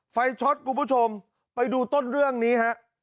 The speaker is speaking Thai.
ไฟช็อตคุณผู้ชมไปดูต้นเรื่องนี้ฮะ